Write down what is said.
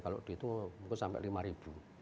kalau di itu mungkin sampai lima ribu